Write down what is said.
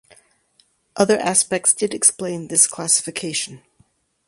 Other aspects did explain this classification.